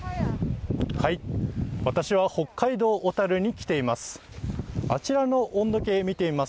私は北海道小樽に来ています。